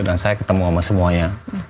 dan saya ketemu sama semuanya